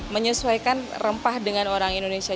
menyesuaikan rempah dengan orang indonesia